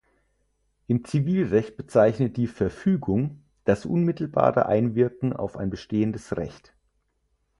Im Zivilrecht bezeichnet die "Verfügung" das unmittelbare Einwirken auf ein bestehendes Recht.